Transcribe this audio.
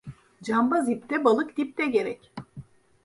Cambaz ipte, balık dipte gerek.